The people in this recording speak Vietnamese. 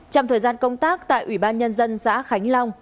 trong thời gian công tác tại ủy ban nhân dân xã khánh long